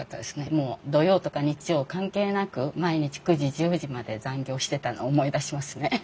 もう土曜とか日曜関係なく毎日９時１０時まで残業してたの思い出しますね。